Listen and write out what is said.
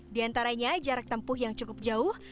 di antaranya jarak tempuh yang cukup jauh